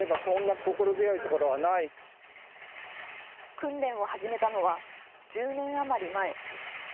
訓練を始めたのは１０年余り前。